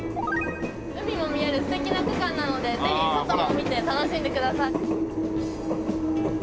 海も見える素敵な区間なのでぜひ外も見て楽しんでください。